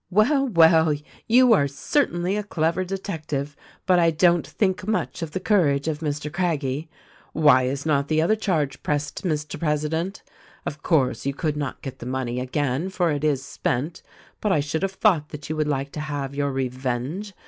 " 'Well ! Well !! You are certainly a clever detective ; but I don't think much of the courage of Mr. Craggie. Why is not the other charge pressed, Mr. President? Of course, you could not get the money again, for it is spent ; but I should have thought that you would like to have your re venge.